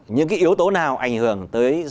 những cái yếu tố nào ảnh hưởng tới